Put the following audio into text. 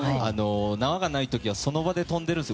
縄がない時はその場で跳んでるんですよ。